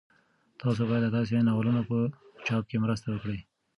تاسو باید د داسې ناولونو په چاپ کې مرسته وکړئ.